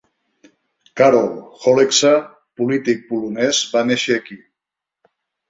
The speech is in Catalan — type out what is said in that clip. Karol Holeksa, polític polonès, va néixer aquí.